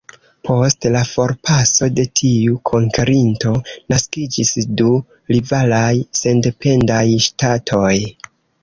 Post la forpaso de tiu konkerinto, naskiĝis du rivalaj sendependaj ŝtatoj.